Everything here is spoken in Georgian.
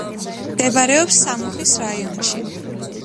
მდებარეობს სამუხის რაიონში.